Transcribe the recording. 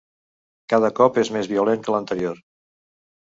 Cada cop és més violent que l'anterior.